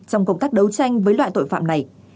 trong công tác đấu tranh với loại tội phạm này